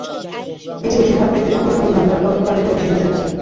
এটি বেশিরভাগ ক্ষেত্রে স্পর্শকাতর মামলার তদন্ত কার্যক্রম ও বিশেষ অভিযানে কাজ করে।